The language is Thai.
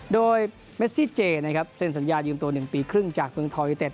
โดยเมซี่เจนะครับเซ็นสัญญายืมตัว๑ปีครึ่งจากเมืองทอยูเต็